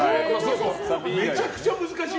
めちゃくちゃ難しい。